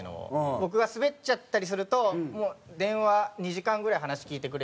僕がスベっちゃったりするともう電話２時間ぐらい話聞いてくれたりとか。